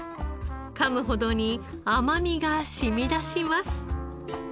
噛むほどに甘みが染み出します。